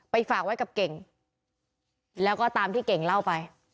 ฝากไว้กับเก่งแล้วก็ตามที่เก่งเล่าไป